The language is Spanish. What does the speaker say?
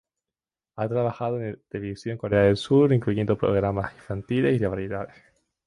Ha trabajado en televisión en Corea del Sur, incluyendo programas infantiles y de variedades.